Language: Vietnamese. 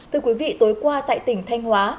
từ quý vị tối qua tại tỉnh thanh hóa